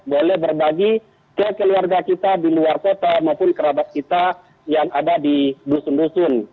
boleh berbagi ke keluarga kita di luar kota maupun kerabat kita yang ada di dusun dusun